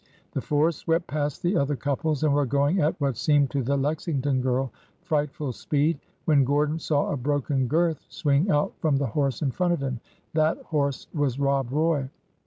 The four swept past the other couples, and were going at what seemed to the Lexington girl frightful speed, when Gordon saw a broken girth swing out from the horse in front of him. That horse was Rob Roy.